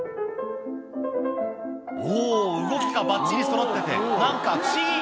おー、動きがばっちりそろってて、なんか不思議。